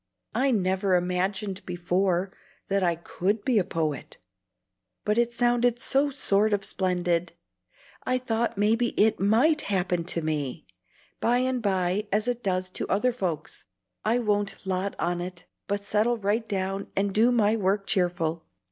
I never imagined before that I COULD be a poet; but it sounded so sort of splendid, I thought maybe it MIGHT happen to me, by and by, as it does to other folks. I won't lot on it, but settle right down and do my work cheerful."